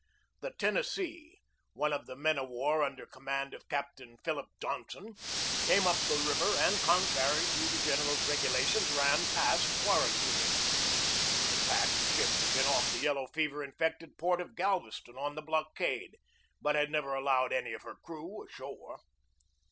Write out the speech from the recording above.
The Tennessee, one of the men of war, under command of Captain Philip John son, came up the river, and, contrary to the general's regulations, ran past quarantine. In fact, the ship had been off the yellow fever infected port of Gal veston on the blockade, but had never allowed any of her crew ashore.